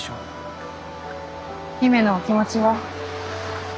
姫のお気持ちは？